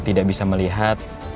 tidak bisa melihat